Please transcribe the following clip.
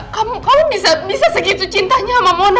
kamu bisa segitu cintanya sama mona